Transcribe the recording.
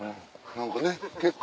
何かね結果。